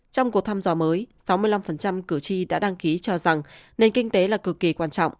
trong cuộc thăm dò mới sáu mươi năm cử tri đã đăng ký cho rằng nền kinh tế là cực kỳ quan trọng